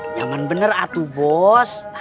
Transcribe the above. nyaman bener atu bos